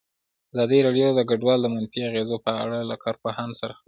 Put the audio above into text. ازادي راډیو د کډوال د منفي اغېزو په اړه له کارپوهانو سره خبرې کړي.